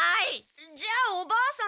じゃあおばあさん